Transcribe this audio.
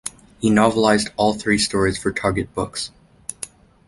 He novelised all three stories for Target Books.